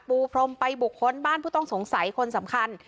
ปูพรมไปบุคคลบ้านผู้ต้องสงสัยคนสำคัญ